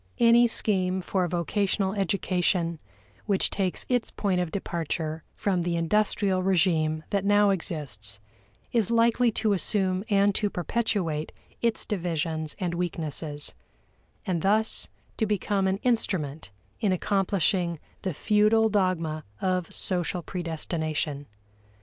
Any scheme for vocational education which takes its point of departure from the industrial regime that now exists, is likely to assume and to perpetuate its divisions and weaknesses, and thus to become an instrument in accomplishing the feudal dogma of social predestination.